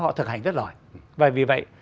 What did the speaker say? họ thực hành rất rồi và vì vậy